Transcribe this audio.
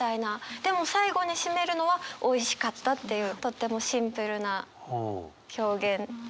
でも最後に締めるのは「おいしかった」っていうとってもシンプルな表現っていう。